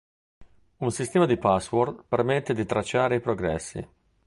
Un sistema di password permette di tracciare i progressi.